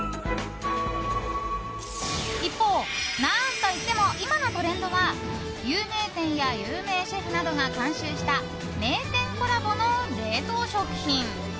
一方、何といっても今のトレンドは有名店や有名シェフなどが監修した名店コラボの冷凍食品。